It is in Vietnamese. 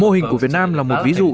mô hình của việt nam là một ví dụ